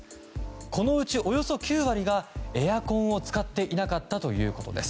このうちおよそ９割がエアコンを使っていなかったということです。